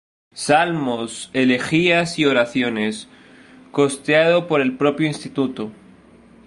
Salmos, elegías y oraciones", costeado por el propio Instituto.